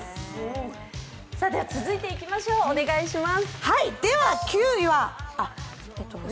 続いていきましょう、お願いします。